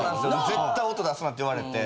絶対音出すなって言われて。